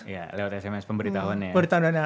ya lewat sms pemberitahuan ya